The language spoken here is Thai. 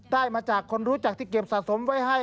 ได้มาจากคนรู้จักที่เก็บสะสมไว้ให้